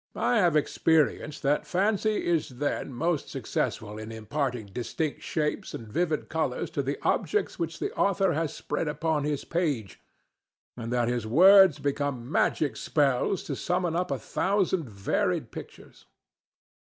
I have experienced that Fancy is then most successful in imparting distinct shapes and vivid colors to the objects which the author has spread upon his page, and that his words become magic spells to summon up a thousand varied pictures.